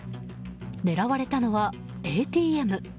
狙われたのは、ＡＴＭ。